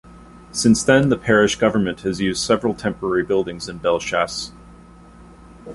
Since then, the parish government has used several temporary buildings in Belle Chasse.